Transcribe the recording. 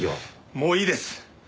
もういいです。